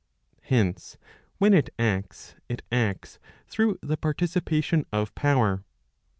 Hence, when it acts, it acts through the participation of power.